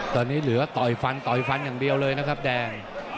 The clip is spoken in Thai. ตอนนี้เหลือต่อยฟันต่อยฟันอย่างเดียวเลยนะครับแดง